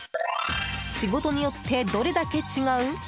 仕事によって、どれだけ違う？